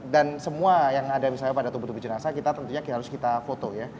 dan semua yang ada pada tubuh tubuh jenazah kita harus kita foto ya